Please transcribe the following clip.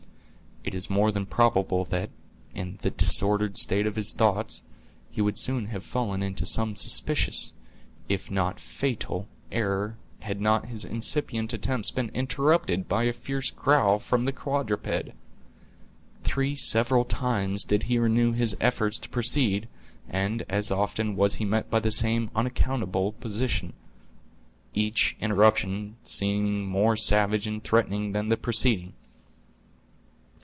It is more than probable that, in the disordered state of his thoughts, he would soon have fallen into some suspicious, if not fatal, error had not his incipient attempts been interrupted by a fierce growl from the quadruped. Three several times did he renew his efforts to proceed, and as often was he met by the same unaccountable opposition, each interruption seeming more savage and threatening than the preceding.